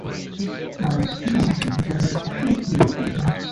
Louis honoring Grace Hopper.